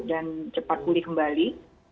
dan cepat pulih kembali